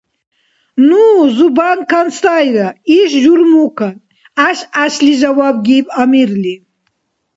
— Ну зубанкан сайра, иш – журмукан, — гӀяш-гӀяшли жаваб гиб Амирли.